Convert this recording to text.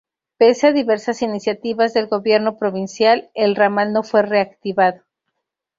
Pese a diversas iniciativas del gobierno provincial, el ramal no fue reactivado.